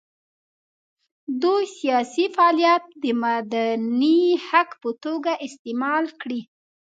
دوی سیاسي فعالیت د مدني حق په توګه استعمال کړي.